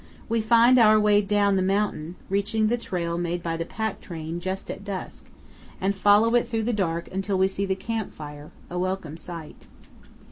We find our way down the mountain, reaching the trail made by the pack train just at dusk, and follow it through the dark until we see the camp fire a welcome sight.